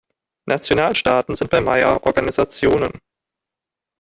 Nationalstaaten sind bei Meyer Organisationen.